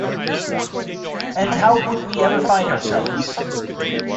And how would we ever find ourselves.